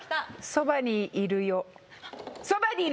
「そばにいるね」